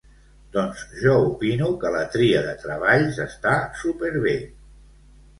Doncs jo opino que la tria de treballs està súper bé.